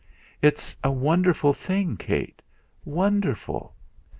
It's a wonderful thing, Kate wonderful!